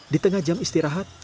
di tengah jam istirahat